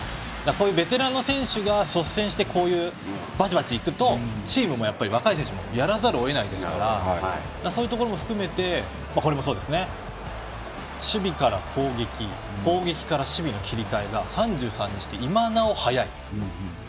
ベテランの選手が率先してバチバチいくとチームの若い選手もやらざるを得ないのでそういうところも含めて守備から攻撃攻撃から守備の切り替えが３３にして今なお、早い。